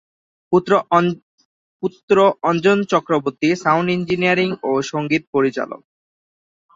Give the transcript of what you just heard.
পুত্র Anjan Chakraborty sound engineer ও সঙ্গীত পরিচালক।